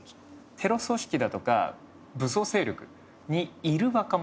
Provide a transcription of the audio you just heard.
テロ組織だとか武装勢力にいる若者。